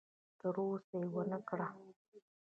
تر اوسه یې ونه کړه.